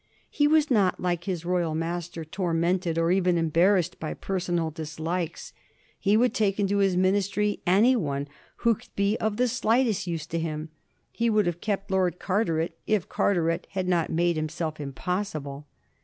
He was not, like his royal master, tormented or even embarrassed by personal dislikes ; he would take into his Ministry any one who could be of the slightest use to him. He would have kept Lord Carteret if Car teret had not made himself impossible.